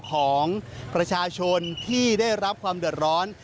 ของประชาชนที่ได้รับความเดือดร้อน